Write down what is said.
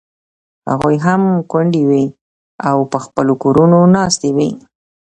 هغوی هم کونډې وې او په خپلو کورونو ناستې وې.